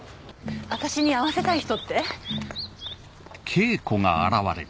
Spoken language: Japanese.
私に会わせたい人って？